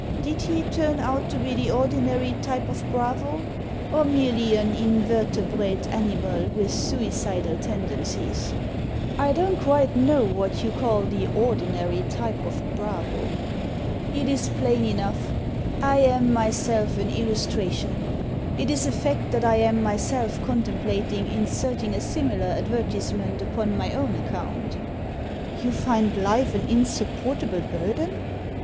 Did he turn out to be the ordinary type of bravo, or merely an invertebrate animal with suicidal ten dencies ?" Digitized by VjOOQIC i8o THE SEEN AND THE UNSEEN I don't quite know what you call the ordinary type of bravo." " It is plain enough. I am myself an illustration. It is a fact that I am myself contemplating inserting a similar advertisement upon my own account" " You find life an insupportable burden